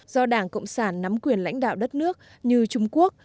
do đảng cộng sản nắm quyền lãnh đạo đất nước như trung quốc